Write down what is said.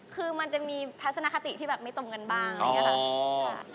คือมันจะมีทัศนคติที่แบบไม่ตรงกันบ้างอะไรอย่างนี้ค่ะ